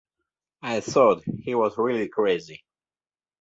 I thought he was really crazy.